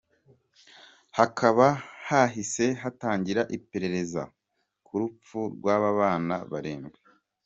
Hakaba hahise hatangira iperereza ku rupfu rw’aba bana barindwi.